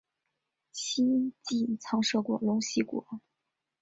西晋曾设过陇西国。